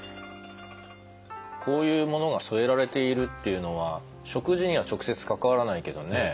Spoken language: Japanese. こういうものが添えられているっていうのは食事には直接関わらないけどね